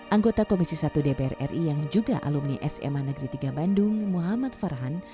anggota komisi satu dpr ri yang juga alumni sma negeri tiga bandung muhammad farhan